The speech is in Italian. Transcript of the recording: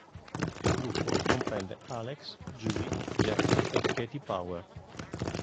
Il gruppo comprende Alex, Julie, Jack e Katie Power.